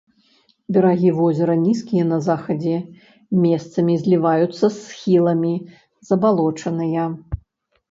Берагі возера нізкія на захадзе, месцамі зліваюцца з схіламі, забалочаныя.